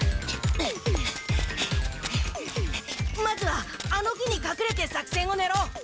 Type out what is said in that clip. まずはあの木に隠れて作戦を練ろう。